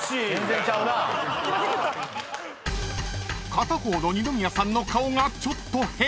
［片方の二宮さんの顔がちょっと変］